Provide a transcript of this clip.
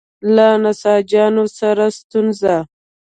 له نساجانو سره ستونزه.